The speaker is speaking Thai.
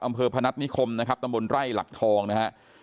พนัฐนิคมนะครับตำบลไร่หลักทองนะฮะ